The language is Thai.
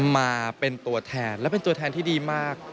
มาเป็นตัวแทนและเป็นตัวแทนที่ดีมาก